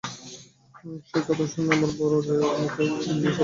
সে কথা শুনে আমার বড়ো জায়ের মুখ গম্ভীর হয়ে গেল।